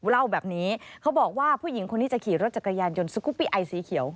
เล่าแบบนี้เขาบอกว่าผู้หญิงคนนี้จะขี่รถจักรยานยนต์สกุปปี้ไอสีเขียว